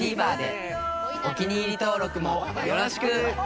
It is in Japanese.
お気に入り登録もよろしく！